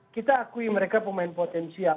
kita akui mereka pemain potensial